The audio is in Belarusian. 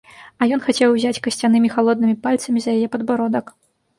А ён хацеў узяць касцянымі халоднымі пальцамі за яе падбародак.